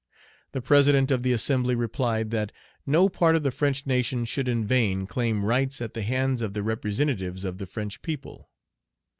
The President of the Assembly replied, that "No part of the French nation should in vain claim rights at the hands of the representatives of the French people."